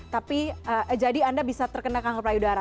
tapi jadi anda bisa terkena kanker payudara